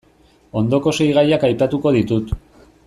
Ondoko sei gaiak aipatuko ditut.